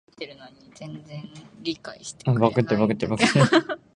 いらっしゃいませ。お客様は二名様でよろしいですか？